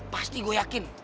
pasti gue yakin